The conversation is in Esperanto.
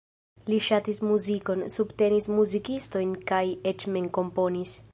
Li ŝatis muzikon, subtenis muzikistojn kaj eĉ mem komponis.